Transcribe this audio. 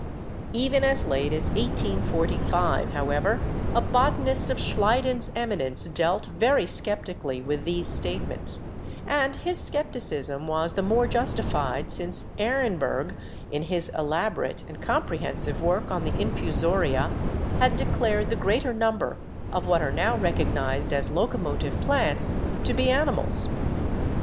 Even as late as 1845, however, a botanist of Schleiden's eminence dealt very skeptically with these statements, and his skepticism was the more justified since Ehrenberg in his elaborate and comprehen sive work on the infusoria, had declared the greater num ber of what are now recognised as locomotive plants to be animals.